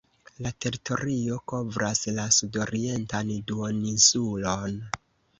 La teritorio kovras la sudorientan duoninsulon.